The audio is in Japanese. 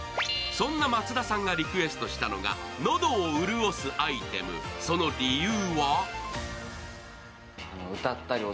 そんな松田さんがリクエストしたのは喉を潤すアイテム、その理由は？